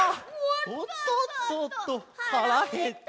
「おっとっとっと腹減った」